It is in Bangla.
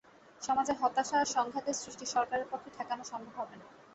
সমাজে হতাশা আর সংঘাতের সৃষ্টি সরকারের পক্ষে ঠেকানো সম্ভব হবে না।